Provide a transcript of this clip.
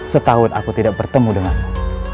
setahun aku tidak bertemu denganmu